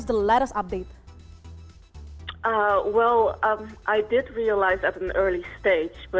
saya menyadari pada tahap awal misalnya pada tahun seribu sembilan ratus sembilan puluh satu